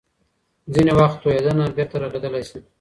ځینې وخت تویېدنه بیرته رغېدلی شي.